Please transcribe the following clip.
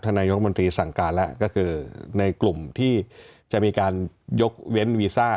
นายกมนตรีสั่งการแล้วก็คือในกลุ่มที่จะมีการยกเว้นวีซ่า